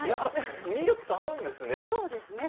ミルクと合うんですね。